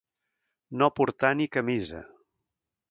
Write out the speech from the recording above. No portar ni camisa.